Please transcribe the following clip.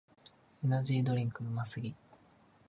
エナジードリンクうますぎ